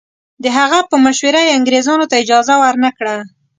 د هغه په مشوره یې انګریزانو ته اجازه ورنه کړه.